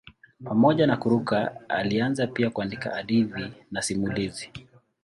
Pamoja na kuruka alianza pia kuandika hadithi na masimulizi.